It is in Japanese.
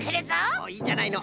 おおいいじゃないの。